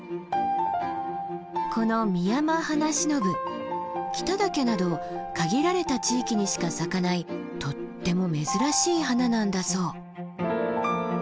このミヤマハナシノブ北岳など限られた地域にしか咲かないとっても珍しい花なんだそう。